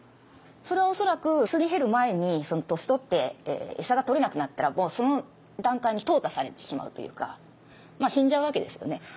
それは恐らくすり減る前に年取って餌がとれなくなったらもうその段階に淘汰されてしまうというかまあ死んじゃうわけですよね。